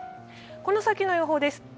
この先の予報です。